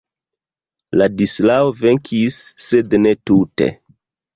Ladislao venkis, sed ne tute.